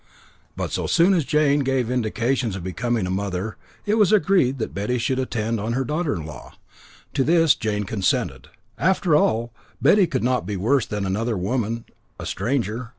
But, so soon as Jane gave indications of becoming a mother, it was agreed that Betty should attend on her daughter in law. To this Jane consented. After all, Betty could not be worse than another woman, a stranger.